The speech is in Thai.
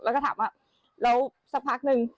แล้วก็ถามว่าแล้วสักพักนึง